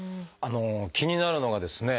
気になるのがですね